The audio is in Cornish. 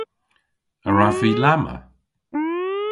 A wrav vy lamma?